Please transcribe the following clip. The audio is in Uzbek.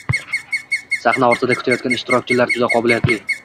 sahna ortida kutayotgan ishtirokchilar juda qobiliyatli